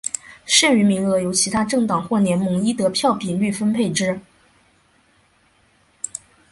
剩余名额由其他政党或联盟依得票比率分配之。